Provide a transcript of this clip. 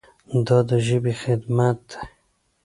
دا د ژبې خدمت دی.